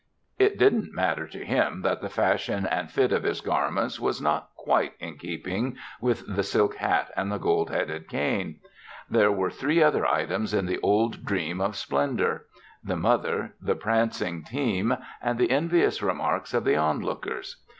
It didn't matter to him that the fashion and fit of his garments were not quite in keeping with the silk hat and gold headed cane. There were three other items in the old dream of splendor the mother, the prancing team, and the envious remarks of the onlookers.